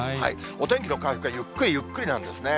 お天気の回復がゆっくりゆっくりなんですね。